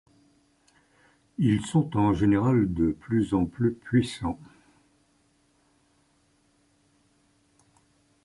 Ils sont en général de plus en plus puissants.